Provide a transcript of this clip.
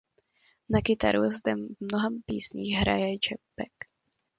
Na kytaru zde v mnoha písních hraje Jeff Beck.